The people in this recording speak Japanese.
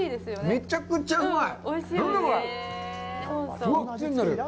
めちゃくちゃうまい！